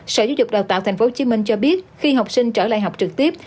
sở giáo dục đào tạo tp hcm cho biết khi học sinh trở lại học trực tiếp